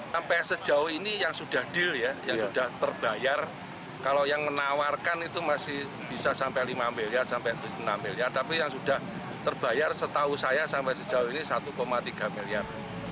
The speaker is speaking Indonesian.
tapi yang sudah terbayar setahu saya sampai sejauh ini satu tiga miliar